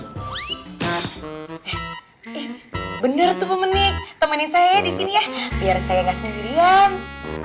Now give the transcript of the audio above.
eh bener tuh bu menik temenin saya ya di sini ya biar saya nggak sendirian